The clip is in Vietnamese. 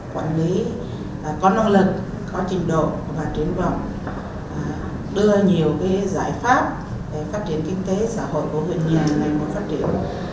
quản lý có năng lực có trình độ và truyền vọng đưa nhiều giải pháp để phát triển